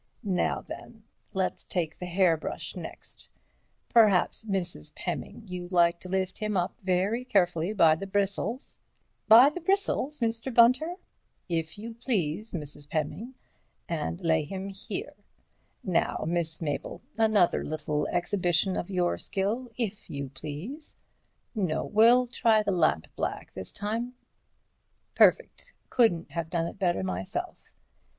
Now then, let's take the hairbrush next. Perhaps, Mrs. Pemming, you'd like to lift him up very carefully by the bristles." "By the bristles, Mr. Bunter?" "If you please, Mrs. Pemming—and lay him here. Now, Miss Mabel, another little exhibition of your skill, if you please. No—we'll try lampblack this time. Perfect. Couldn't have done it better myself.